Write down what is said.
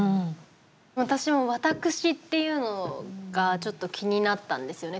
私も「わたくし」っていうのがちょっと気になったんですよね。